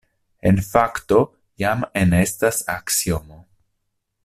En fakto, jam enestas aksiomo.